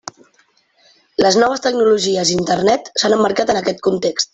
Les noves tecnologies i Internet s'han emmarcat en aquest context.